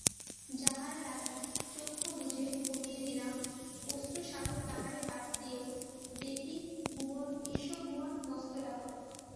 যাহার লাগি চক্ষু বুজেবহিয়ে দিলাম অশ্রুসাগরতাহারে বাদ দিয়েও দেখিবিশ্বভুবন মস্ত ডাগর।